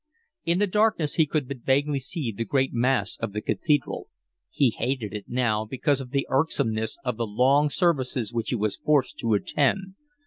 In the darkness he could but vaguely see the great mass of the Cathedral: he hated it now because of the irksomeness of the long services which he was forced to attend.